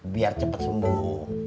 biar cepet sembuh